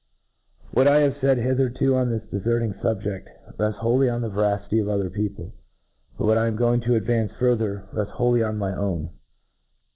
What I have faid luthcrto on this diverting fub^ jea, refts wholly on the veracity of other people ; but what I am going to advance further, refts wholly on my own.